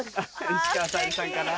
石川さゆりさんかな？